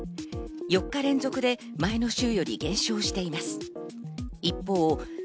４日連続で前の週より減少しています。